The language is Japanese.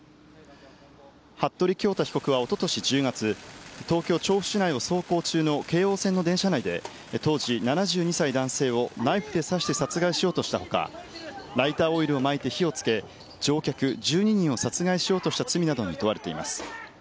服部恭太被告はおととし１０月、東京・調布市内を走行中の京王線の電車内で、当時７２歳の男性をナイフで刺して殺害しようとしたほか、ライターオイルをまいて火をつけ、乗客１２人を殺害しようとした罪などに問われています。